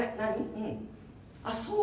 うんあっそう。